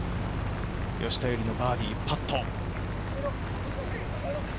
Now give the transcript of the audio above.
吉田優利のバーディーパット。